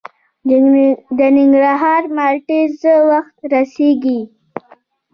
د ننګرهار مالټې څه وخت رسیږي؟